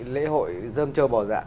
lễ hội dơm châu bò dạ